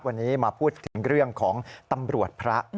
วันนี้มาพูดถึงเรื่องของตำรวจพระ